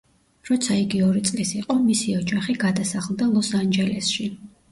როცა იგი ორი წლის იყო მისი ოჯახი გადასახლდა ლოს-ანჯელესში.